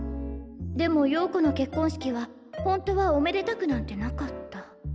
でも陽子の結婚式はホントはおめでたくなんてなかった。